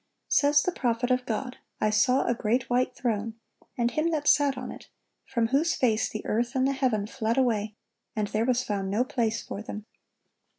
Says the prophet of God: "I saw a great white throne, and Him that sat on it, from whose face the earth and the heaven fled away; and there was found no place for them.